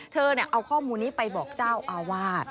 เธอเอาข้อมูลนี้ไปบอกเจ้าอาวาส